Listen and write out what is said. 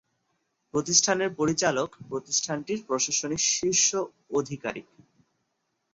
প্রতিষ্ঠানের পরিচালক প্রতিষ্ঠানটির প্রশাসনিক শীর্ষ আধিকারিক।